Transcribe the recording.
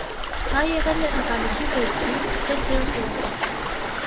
Նա եղել է ընտանիքի վերջին, վեցերորդ երեխան։